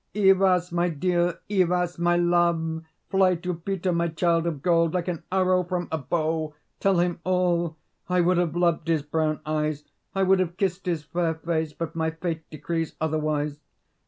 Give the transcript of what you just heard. "Ivas, my dear! Ivas, my love! fly to Peter, my child of gold, like an arrow from a bow. Tell him all: I would have loved his brown eyes, I would have kissed his fair face, but my fate decrees otherwise.